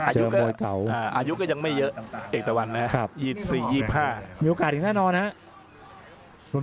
เจออัยุดก็ยังไม่เยอะเอกตะวันครับ๒๔๒๕มีโอกาสอีกแน่นอนหรอครับ